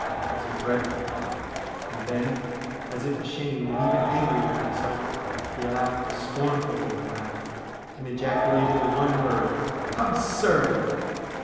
It was a dreadful thought ; and then, as if ashamed and even angry with himself, he laughed a scornful little laugh, and ejaculated the one word :' Absurd